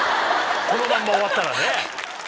このまんま終わったらね。